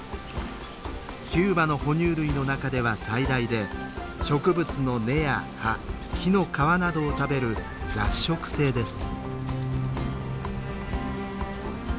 キューバの哺乳類の中では最大で植物の根や葉木の皮などを食べる雑食性です。